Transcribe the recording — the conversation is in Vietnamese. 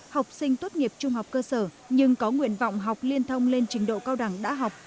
học sinh tốt nghiệp trung học cơ sở nhưng có nguyện vọng học liên thông lên trình độ cao đẳng đã học